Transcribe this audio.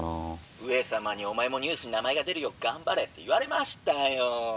「上様にお前もニュースに名前が出るよう頑張れって言われましたよ」。